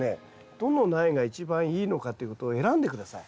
どの苗が一番いいのかということを選んで下さい。